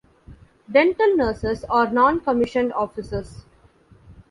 Dental nurses are non-commissioned officers.